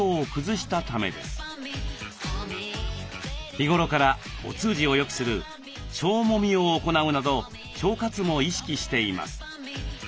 日頃からお通じをよくする「腸もみ」を行うなど腸活も意識しています。